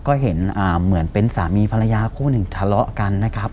ก็เห็นเหมือนเป็นสามีภรรยาคู่หนึ่งทะเลาะกันนะครับ